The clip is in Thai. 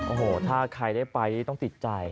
โอ้โหถ้าใครได้ไปต้องติดใจ